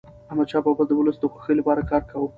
احمدشاه بابا د ولس د خوښی لپاره کار کاوه.